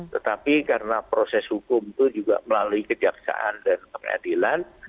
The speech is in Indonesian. tetapi karena proses hukum itu juga melalui kejaksaan dan pengadilan